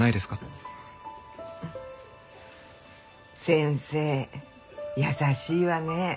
先生優しいわね。